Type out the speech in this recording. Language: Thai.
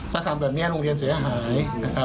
ถ้าทำแบบนี้โรงเรียนเสียหาย